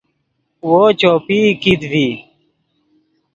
وو چوپئی کیت ڤی